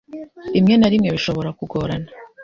rimwe na rimwe bishobora kugorana